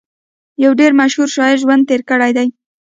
يو ډېر مشهور شاعر ژوند تېر کړی دی